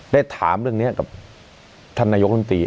ได้ถามเรื่องนี้กับท่านนายกรมตรี